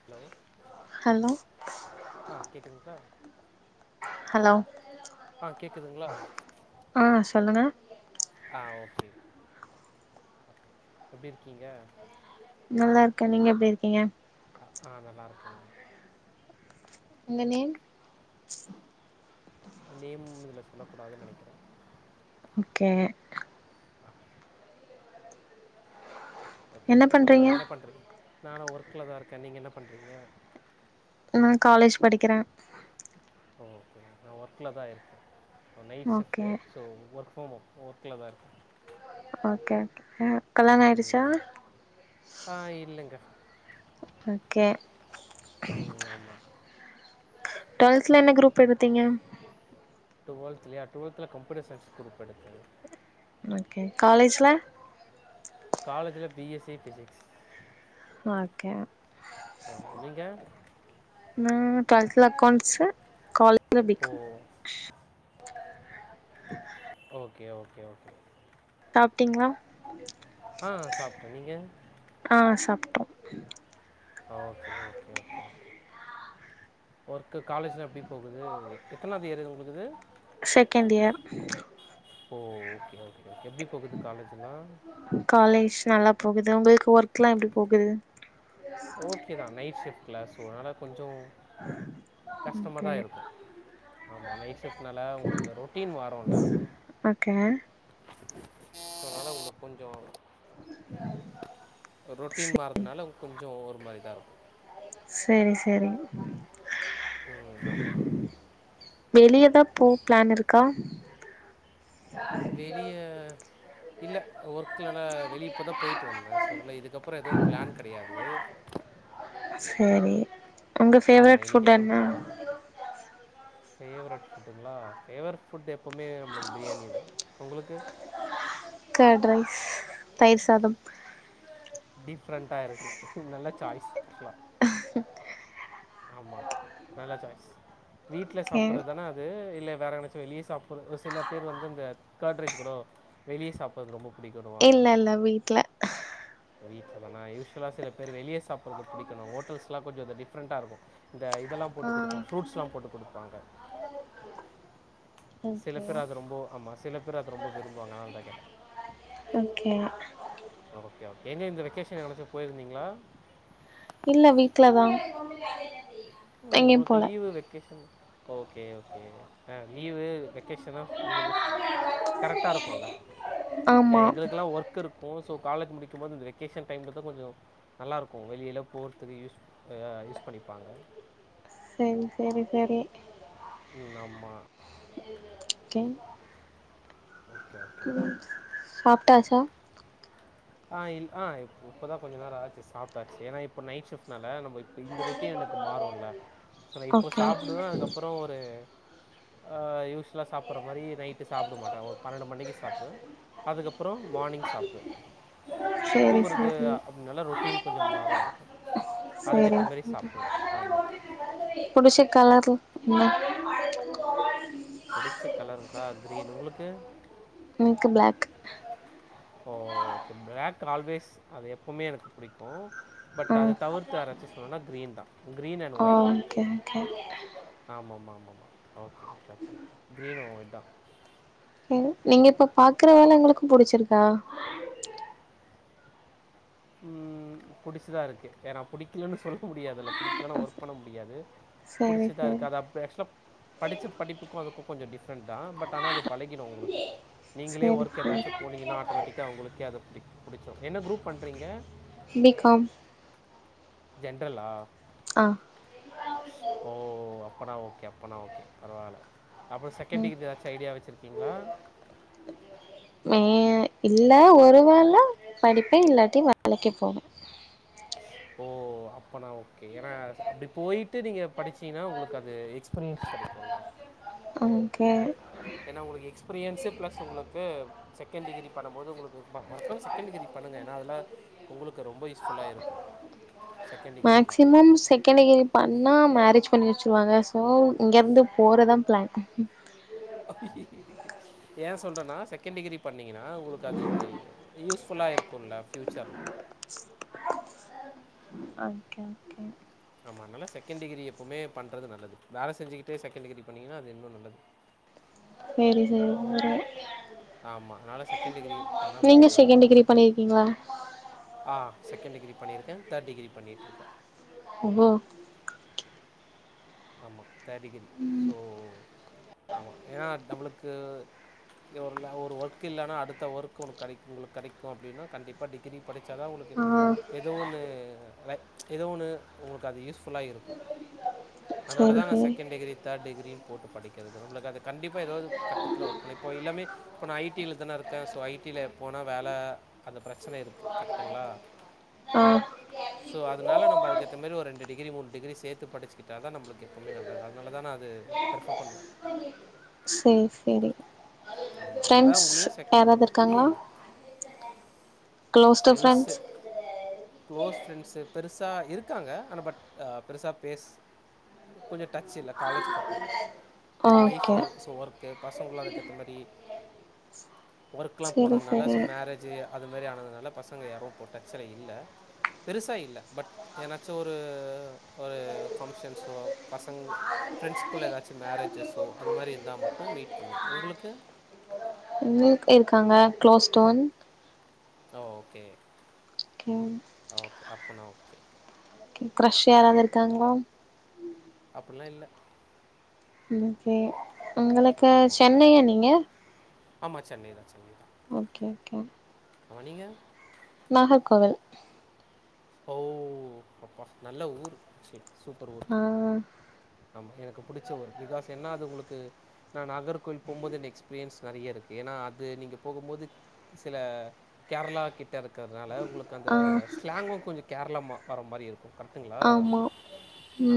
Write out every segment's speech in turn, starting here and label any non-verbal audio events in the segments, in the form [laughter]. Hello hello ஆஹ் கேட்குதல hello ஆஹ் கேக்குதுங்களா ஆஹ் சொல்லுங்க ஆ ஓகே எப்டி இருக்கீங்க நல்லா இருக்கேன் நீங்க எப்படி இருக்கீங்க ஆஹ் நல்லா இருக்கேங்க உங்க நேம் நேம் இதுல சொல்ல கூடாது நினைக்கிறேன் ஓகே ஓகே என்ன சொல்லுங்க பண்றீங்க என்ன பண்றீங்க நான ஒர்க்ல தான் இருக்கேன் நீங்கள் என்ன பண்ணுறீங்க நான் காலேஜ் படிக்கிறேன் ஓ ஓகே நான் ஒர்க்ல தான் இருக்கேன் night shift okay so work from home ஓர்க்ல தான் இருக்கேன் ஓகே ஓகே கல்யாணம் ஆயிடுச்சா ம் ஆ ஆ இல்லைங்க ஓகே ம் ஆமாம் டூவல்துல என்ன குரூப் எடுத்தீங்க டுவெல்த் இல்லையா டூவல்த்ல கம்ப்யூட்டர் சயின்ஸ் குரூப் எடுத்தேன் ஓகே காலேஜ்ல காலேஜ்ல பிஎஸ்சி பிசிக்ஸ் ஓகே ஆமா நீங்க டுவல்த்தில அக்கௌண்ட்ஸ் காலே பறம் பி ஓ காம் [unintelligible] ஓகே ஓகே ஓகே சாப்பிட்டிங்களா ஆஹ சாப்பிட்டேன் நீங்க ஆ [unintelligible] ஓகே ஓகே ஓகே ஓகே ஒர் க்கு காலேஜ்லாம் எப்படி போகுது எத்தனாவது இயர் இது உங்களுக்கு second year oh okay okay okay எப்படி போகுது காலேஜ்லாம் காலேஜ் நல்லா போகுது உங்களுக்கு ஒர்க் எல்லாம் எப்படி போகுது ஓகே தான் நைட் ஷிப் கிளாஸ் கொஞ்சம் கஷ்டமா ஓகே தான் இருக்கும் ஆமாம் நைட் ஷிஃப்ட்னால உங்களுக்கு ரொட்டீன் மாறும்ல ஓகே அதனால உங்க கொஞ்சம் [unintelligible] செ ரொட்டீன் மாறதுனால கொஞ்சம் ஒரு மாதிரி தான் இருக்கும் செரி செரி ம். ஆமா, ஆமா. வெளியே தான் போ பிளான் இருக்கா வெளிய இல்ல ஒர்க்கில்லா வெளியேப்போ தான் போயிட்டு வந்தேன் சோ இதுக்கப்புறம் எதுவும் பிளான் கிடையாது சரி உங்க ஆமா. ஃபேவரைட் இன்னைக்கு ஃபுட் எதுவும் என்ன பிளான் ஃபேவரட் புட்ங்கள ஃபேவரட் புட் எப்போவுமே நம்மளுக்கு பிரியாணி தான் உங்களுக்கு கேட் ரைஸ் தயிர் சாதம் டிஃப்ரெண்டா இருக்கு நல்ல சாய்ஸ் கல [inaudible] ஆமா நல்ல சாய்ஸ் வீட்டுல ஓகே சாப்பிடறது தானே அது இல்ல வேற நனச்சும் வெளியே சாப்ப சில பேர் வந்து அந்த கேட் ரைஸ் கூட வெளியே சாப்பதுக்கு ரொம்ப பிடிக்கணுவாங்க இல்ல இல்ல வீட்டுல அதனா யூஷலாக சில பேர் வெளிய சாப்பிடறது புடிக்கணு ஹோட்டல்ஸ்லாம் கொஞ்சம் டிப்ரெண்டா இருக்கும் இந்த இதெல்லாம் போட்டு ஆ கொடுப்போம் ஃப்ரூட்ஸ்லாம் போட்டு குடுப்பாங்க சில ஓகே பேர் அது ரொம்ப ஆமா சில பேர் அது ரொம்ப விரும்புவாங்க அதனால தான் கேட்டேன் ஓகே ஓகே எங்க இந்த வெக்கேஷன் எங்கனாச்சு போயிருந்தீங்களா இல்ல வீட்டுலதான் ஓ உங்களுக்கு லீவு வெக்கேஷன் ஓகே ஓகே ஆ லீவு வெகேஷனா உங்களுக்கு கரெக்டா இருக்கும்ல ஆமா எங்களுக்கெல்லாம் ஒர்க் இருக் இருக்கும் ஸோ காலேஜ் முடிக்கும்போது இந்த வெக்கேஷன் டைமில் தான் கொஞ்சம் நல்லாருக்கும் வெளியல்லாம் போகறதுக்கு யூஸ் யூஸ் பண்ணிப்பாங்க சேரி சேரி சேரி ம்ம் ஆமா கே ஓகே ஓகே ஓகே சாப்பட்டாச்சா ஆஹ் இல் ஆஹ இப்பதான் கொஞ்ச நேரம் ஆச்சு சாப்ப்டாச்சு ஏனா இப்ப நைட் ஷிஃப்ட்னல நம்ம இந்த ரொட்டின் எனக்கு மாறும்ல நான் இப்ப ஓகே சாப்பிடுவேன் அதுக்கப்புறம் ஒரு ஆஹ் யூஸ்லா சாப்பிடுற மாதிரி நைட்டு சாப்பிட மாட்டேன் ஓ பன்னெண்டு மணிக்கு சாப்புடுவேன் அதுக்கப் அப்புறம் மார்னிங் சாப்டுவேன் சேரி தூங்குறது சேரி அப்டினால ரொட்டின் கொஞ்சம் மாறும் எனக்கு சேரி அதுக்கேத்த மாரி சேரி சாப்டுவேன் ஆமா புடிச்ச கலர் இந்த புடிச்ச கலருங்களா கிரீன் உங்களுக்கு எனக்கு black oh okay black always அது எப்பவுமே எனக்கு பிடிக்கும் பட் அதை தவிர்த்தர சொன்ன கிரீன் தான் green and oh white okay okay ஆமா okay okay okay okay green தான் நீங்க இப்ப பாக்குற வேலை ஒங்களுக்கு புடிச்சிருக்கா உம் புடிச்சுதா இருக்கு ஏன்னா புடிக்கலன்னு சொல்ல முடியாதுல்ல புடிக்கலன்னா ஒர்க் பண்ண முடியாது சரி புடிச்சிதான் சரி இருக்காது அப்ப எக்ஸ்ட்ரா படிச்ச படிப்புக்கும் அதுக்கும் கொஞ்சம் டிஃப்ரெண்ட் தான் பட் ஆனா அது பழகிடும் உங்களுக்கு நீங்களே சரி ஒர்க் சரி ஏதாச்சும் போனீங்கன்னா ஆட்டோமேட்டிக்காக அவங்கக்கே அது பிடிக்கும் படிச்ச என்ன குரூப் பண்ணி இருக்கறீங்க பிகாம் ஜென்ரல்லா ஆ ஓஓஓ அப்பனா ஓகே அப்பனா ஓகே பரவாயில்ல அப்புற ம் செகண்ட்டிகிரிஎதாச்சிம் ஐடியா வச்சிருக்கு ஓங்களா மே இல்ல ஒரு வேளை படிப்பேன் இல்லாட்டி வேலைக்கு போவே ஓ அப்பனா ஓகே ஏன்னா அப்படி போயிட்டு நீங்க படிச்சீங்கன்னா உங்களுக்கு அது எக்ஸ்பீரியன்ஸ் கிடைக்கும்ல ஆ கே ஏன்னா உங்களுக்கு எக்ஸ் எக்ஸ்பீரியன்ஸ்சு ப்ளஸ் உங்களுக்கு செகண்ட் டிகிரி பண்ணம்போது உங்களுக்கு மறக்காம செகண்ட் டிகிரி பண்ணுங்கள் ஏன்னால் அதில உங்களுக்கு ரொம்ப யூஸ்ஃபுல்லா இருக்கும் செகண்ட் டிகிரிலாம் மேக்சிமம் செகண்ட் டிகிரி பண்ணா மேரேஜ் பண்ணி வச்சருவாங்க சோ இங்க இருந்து போறதான் பிளான் ஏன் சொல்றேன்னா செகண்ட் டிகிரி பண்ணீங்கன்னா உங்களுக்கு அது யூஸ்ஃபுல்லா இருக்கும்ல ஃயூச்சர்ல ஓகே ஓகே ஆமா அதனால செகண்ட் டிகிரி எப்பவுமே பண்றது நல்லது வேல செஞ்சுக்கிட்டே செகண்ட் டிகிரி பண்ணீங்கன்னா அது இன்னும் நல்லது செரி செரி [unintelligible] ஆமா அதனால செகண்ட் டிகிரி பண்ணாம நீங்க இருக்காதிங்க டிகிரி செகண்ட் பண்ணிருக்கீங்களா ஆ செக் செகண்ட் டிகிரி பண்ணிருக்கேன் தேர்ட் டிகிரி பண்ணிட்ருக்கேன் [unintelligible] ஆமா தேர்டிகிரி ஸோ ஆமா ஏன்னா நம்மளுக்கு ஒரு ஒர்க் இல்லலன்னா அடுத்த ஒர்க் உனக்கு கெடைக்கும் உங்களுக்கு கிடைக்கும் அப்டின்னா கண்டிப்பா டிகிரி படிச்சாதான் உங்ளுக்கு ஆ எதுோ ஒண்ணு [unintelligible] ஏதோ ஒண்ணு உங்களுக்கு அது யூஸ்ஃபுல்லா இருக்கும் சரி அதனாலதான் நான் சரி செகண்ட்டிகிரி தேர்ட் டிகிரி போட்டு படிக்கிறது நம்மளுக்கு அது கண்டிப்பா ஒரு கட்டத்தில்ஒரு சில இருக்கணும் எல்லாமே இப்போ நான் ஐடியில தானே இருக்கேன் ஸோ ஐடியில் போனால் வேலை அந்த பிரச்சனை இருக்குது கரெக்ட்டுங்களா ஒ சோ அதனால நம்ம அதுக்கேத்த மாறி ஒரு ரெண்டு டிகிரி மூணு டிகிரி சேர்த்து படுச்சுட்டு [unintelligible] நம்ளுக்கு எப்பவுமே நல்லது அதனாலதான் அது பிரேஃபர் பண்ணுவேன் ஆமாம் அதனால ஃப்ரெண்ஸ் உங்களையும் செக் யாராவது இருக்காங்களா ம் closest friends friends close friends பெருசா இருக்காங்க ஆனால் பட் பெருசா பேஸ் கொஞ்சம் டச் இல்ல காலேஜ்க்கு அப்புறம் லைஃப் ஓகே ஸோ ஒர்க் பசங்கள்ளும் அதுகேக்த மாரி ஒர்க்ல்லாம் போன செரி நால செரி சோ மேரேஜ்ஜு அது மாரி ஆனது நால பசங்க யாரும் இப்போ டச்சலா இல்ல பெருசா இல்லா பட் என்னாச்சும் ஒரு ஒரு பங்சன்ஸ்சோ பசங் ப்ரன்ஸ்குள்ளா எதாச்சும் மேரேஜ்ஜஸ்சோ அது மாரி இருந்தா மட்டும் மீட் பண்ணுவோம் உங்ளுக்கு எனக் இருக்காங்க closed one okay okay okay அப்பனா ஓகே க்ரஷ் யாராவது இருக்காங்ளா அப்டில்லாம் இல்ல ஓகே உங்களுக்கு சென்னையா நீங்க ஆமாம் சென்னைதான் சென்னைதான் ஓகே ஓகே ஆம நீங்க நாகர்கோவில் ஓ அப்பா நல்ல ஊர் [unintelligible] சூப்பர் ஊர் ஆ ஆமா எனக்கு புடிச்ச ஊர் பிகாஸ் என்ன அது உங்களுக்கு ந நாகர்கோயில் போம்போது எக்ஸ்பீரியன்ஸ் நறைய இருக்கு ஏன்னா அது நீங்க போகும் போது சில கேரளா கிட்ட இருக்கறதுனால உங்களுக்கு அந்த ஆ ஸ்லாங்கும் கொஞ்சம் கேரளா வர மாரி இருக்கும் கரெக்டுங்ளா ஆமா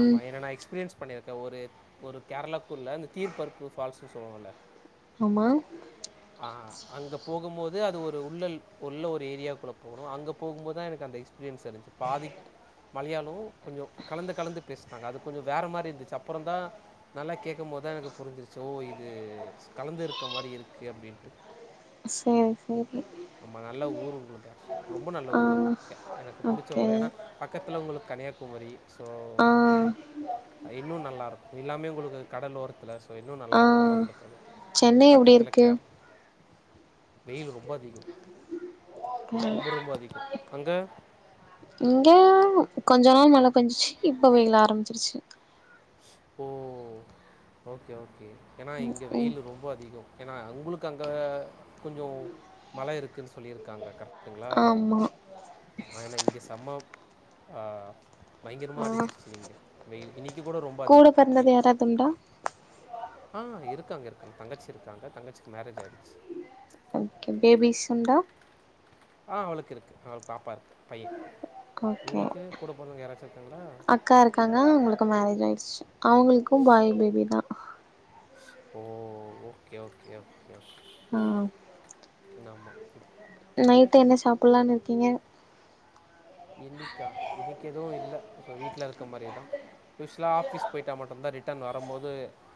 ஆமா ஏன்னா நா எக்ஸ் எக்ஸ்பீரியன்ஸ் பண்ணியிருக்காக ஊரு ஒரு கேரளாக்குள்ளே அந்த தீர்பருப்பு ஃபால்ஸ்ன்ன சொல்லுவுல ஆமா ஆஹ் அங்க போகும் போது அது ஒரு உள்ள உள்ள ஒரு ஏரியாக்குள்ள போகணும் அங்க போகும்போதுதான் எனக்கு அந்த எக்ஸ்பீரியன்ஸ் இருந்துச்சு பாதி மலயாளம் கொஞ்சம் கலந்து கலந்து பேசினாங்க அது கொஞ்சம் வேற மாரி இருந்துச்சு அப்பறம் தான் நல்லா கேக்கும் போதுதான் எனக்கு புரிஞ்சிருச்சு ஓ இது கலந்து இருக்க மாரி இருக்கு கே அப்டின்ட்டு சேரி சேரி ஆம்மா நல்ல ஊர் உங்களுக்கு அ ரொம்ப நல்ல ஆ ஊர் அதுே எனக்கு பிடிச்ச ஓகே ஊர் ஏன்னா பக்கத்தில் உங்களுக்கு கன்னியாகுமரி ஸோ ஆ இன்னும் நல்லாயிருக்கும் எல்லாமே உங்களுக்கு கடல் ஓரத்தில ஸோ இன்னும் ஆ நல்லாயிருக்கும்ல்ல உங்களுக்கு அது சென்னை எப்டி பக்கத்தில் இருக்கு கேரளா வெயில் ரொம்ப அதிகம் ரொம்ப ரொம்ப அதிகம். அங்க? இங்க கொஞ்ச நா மழ பெஞ்சிச்சு இப்ப வெயில் ஆரம்பிச்சிருச்சு ஸோ ஓகே ஓகே ஏன்னா இங்க ம் வெயில் ரொம்ப அதிகம் ஏன்னா உங்களுக்கு அங்க கொஞ்சம் மழ இருக்குன்னு சொல்லியிருக்காங்க கரெட் டுங்களா ஆமா மழ இங்க செம்ம ஆஹ் பயங்கரமா ஆ அடிச்சுருச்சு இங்க வெயில் இனைக் கூட பிறந்தது யாராது உண்டா ஆஹ் இருக்காங்க இருக்காங்க தங்கச்சி இருக்காங்க தங்கச்சிக்கு மேரேஜ் ஆயிடுச்சு ஓகே பேபீஸ் உண்டா ஆஹ் அவளுக்கு இருக்கு ஒரு பாப்பா இருக்கு பையன் ஓகே உங்களுக்கு கூட பொறந்தவங்க யாரது அக்கா இருக்காங்க உங்களுக்கு மேரேஜ் ஆயிடுச்சு அவங்களுக்கும் பாய்பேபி தான் oh okay okay okay okay ஆஹ நமா நைட்டு என்ன சாப்பிடலாம்னு இருக்கீங்க இன்னைக்கா இன்னைக்கு எதுவும் இல்ல வீட்ல இருக்க மாரிதான் யூஸ்லா ஆபீஸ் போயிட்டா மட்டும்தான் ரிட்டன் வரும் போது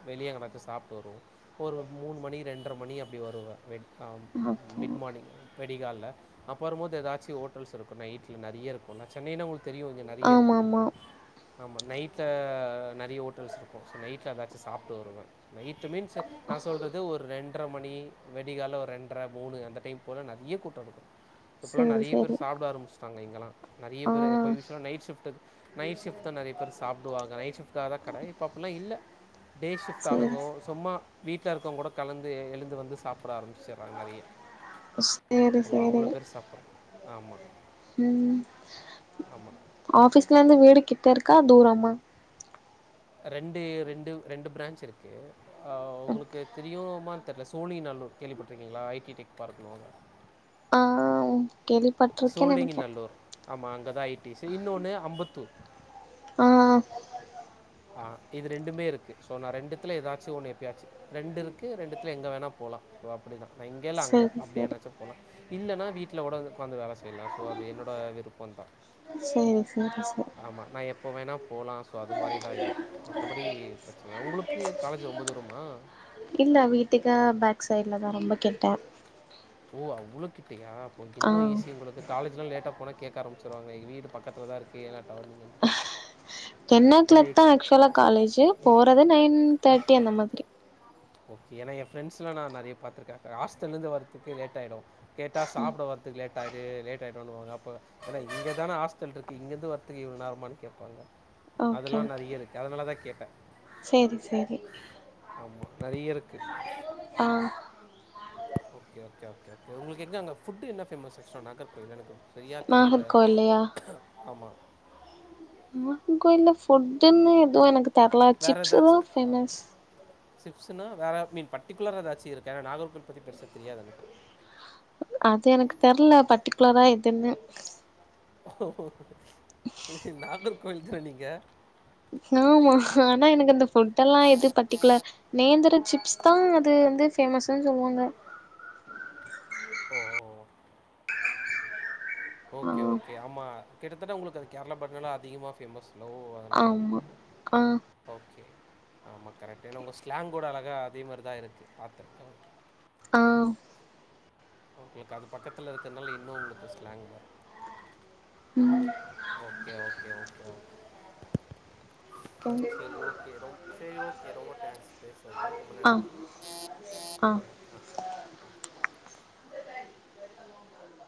வெளிய எங்கயாச்சும் சாப்பிட்டு வருவோம் ஒரு மூணு மணி ரெண்டர மணி அப்டி வருவேன் வெடி காலம் ஓகே பிட் மார்னிங் விடிகாலல அப்பற போது ஏதாச்சும் ஹோட்டல்ஸ் இருக்கும் நைட்ல நெறய இருக்கும் சென்னைன்னா உங்களுக்கு தெரியும் நெற ஆமா நெறயிருக்கு ஆமா ஆமா நைட்ல நெறய ஓட்டல்ஸ் இருக்கும் நைட்ல ஏதாச்சும் சாப்பிட்டு வருவேன் நைட் மீன்ஸ் நான் சொல்றது ஒரு ரெண்டர மணி விடிகால ஒரு ரெண்டர மூணு அந்த டைம் போல நெறய கூட்டம் இருக்கும் இப்பெலாம் சேரி நெறய பேரு சேரி சாப்பிட ஆரம்சிட் இங்கெலாம் ஆ நெறய நைட் ஷிப்ட் நெறய சாப்படுாங்க நைட் ஷிப்டுதான் கட இப்ப அப்டியல்லாம் இல்ல டே ஷிப்ட் சேரி ஆளுங்குகோ சும்மா வீட்டில் இருக்கவங்க கூட கலந்து எழுந்து வந்து சாப்பிட ஆரம்பச்சுடுறாங்க நிறைய சேரி ஆமா அவ்வளோ பேரு சாப்படனு ஆமா உம் ஆமா ஆபிஸ்ல இருந்து வீடு கிட்ட இருக்கா தூரமா ரெண்டு ரெண்டு ரெண்டு பிரான்ச் இருக்கு ஆஹ் உங்களுக்கு தெரியுமா தெரியல சோழிங்கநல்லூர் கேள்விப்பட்டிருக்கீங்களா ஐடி டெக் பார்க்கணும் கேள்விப்பட்டிருக்கேன்னு நினைக்கிறேன் ஆமா அங்கதான் ஐடிஸ் இன்னொண்ணு ஐம்பத்தூர் ஆஹ் ஆஹ் இது ரெண்டுமே இருக்கு சோ நான் ரெண்டுத்துல ஏதாச்சும் ஒண்ணு எப்பயாச்சு ரெண்டு இருக்கு ரெண்டுத்துல எங்க வேணா போலாம் சோ அப்படித்தான் நான் இங்கேல்லாம் அங்க சேரி அப்படி சேரி என்னாச்சா போலாம் இல்லைன்னா வீட்ல கூட உட்காந்து வேலை செய்யலாம் ஸோ அது என்னோட விருப்பம் தான் சேரி சேரி சேரி ஆமா நான் எப்போ வேணா போலாம் சோ அது மாதிரிதா இருக்கும் மற்றபடி பிரச்சனை உங்களுக்கு காலேஜ் ரொம்ப தூரமா இல்ல வீட்டுக்க பேக் சைடுலதான் ரொம்ப கிட்ட ஓ அவ்ளோ கிட்டயா ஒங்களுக்கு ஆ இன்னும் ஈஸி உங்களுக்கு காலேஜ் எல்லாம் லேட் க போன கேக்க ஆரம்பிச்சிருவாங்கங்க வீடு பக்கத்துலதான் இருக்கு ஏன்னாட்ட நீங்க டென் ஒ கிலாக் தான் ஆக்சுவலா காலேஜ் போற து நைன் தேர்டி அந்த மாதிரி ஓகே ஏன்னா என் ஃப்ரெண்ட்ஸ்லாம் நிறைய பாத்துருக்கேன் ஹாஸ்டல்ல இருந்து வரதுக்கு லேட்யிடும் கேட்டா சாப்பிட வறதுக்குலேட் ஆயிட்டு லேட் ஆயிடும்வாங்க அப்ப ஏ இங்கதானே ஹாஸ்டல் இருக்கு இங்க இருந்து வரதுக்கு இவ்வள நேரமாகேட்பாங்க அதல்லாம் நெறய இருக்கு அதனால தான் கேட்டேன் செரி செரி ஆமா. நெறைய இருக்கு ஆஹ் ஓகே ஓகே ஓகேஓகே உங்களுக்குங்க அங்க ஃபட்டு் என்ன ஃபேமஸ் நாகர்கோவில் எனக்கு சரியா நாகர் தெரியலயா கோயில்லையா ஆமா இந்த ஃபுட்டுனு ஏது எனக்கு தெர்ல சிப்ஸ் தான் ஃபேமஸ் சிப்ன்னா வேற மீன் பர்டிகுலர் ஏதாச்சு இருக்கு ஏன்னா நாகர்க பத்தி பெருச தெரியாது எனக்கு அது எனக்கு தெரியல பர்ட்டிகுலரா எதுன்னு நாகர்கோவில் த நீங்க ஆமா ஆனா எனக்கு அந்த புட் எல்லாம் எது பர்டிகுலர் நேந்தர சிப்ஸ் தான் அது வந்து பேமஸ்ன்னு சொல்லுவாங்க ஓ ஓகே ஆ ஓகே ஆமா கிட்டதட்ட உங்க அது கேரள பக்கலா அதிகமாகஃபேமஸ் ஆமா ஆஹ் ஓகே. ஆமா கரெக்ட் ஏன்னா உங்க ஸ்லாங் கூட அழகா அதே மாதிரிதான் இருக்கு பாத்தேன் ஆ உங்களுக்கு அது பக்கத்துல இருக்கிறதுனால இன்னும் உங்களுக்கு ஸ்லாங் வரும் ம் சரி ஓகே ஓகே ரொம்பங்க்ஸ் பேசுறது ரொம்ப ஆ நன்றி ஆ